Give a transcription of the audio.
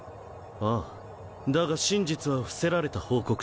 ああだが真実は伏せられた報告書だ。